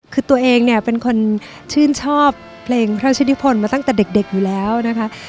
คือตัวเองเนี่ยเป็นคนชื่นชอบเพลงพระราชนิพลมาตั้งแต่เด็กอยู่แล้วนะคะ